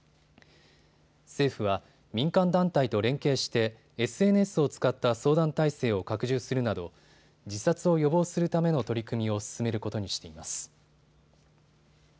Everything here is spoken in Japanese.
政府は民間団体と連携してＳＮＳを使った相談体制を拡充するなど自殺を予防するための取り組みを進めることにしています。